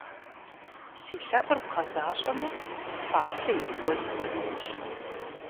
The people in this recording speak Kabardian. Си лъэӀур бгъэзащӀэмэ фалъэ из гуэдз уэстынщ!